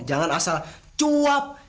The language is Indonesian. jangan asal cuap